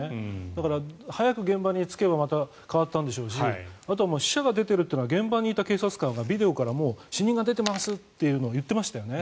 だから、早く現場に着けばまた変わったんでしょうしあとは死者が出ているというのは現場にいた警察官から死人が出ています！というのを言っていましたよね。